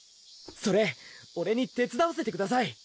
それオレに手つだわせてください！